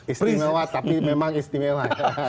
istimewa tapi memang istimewa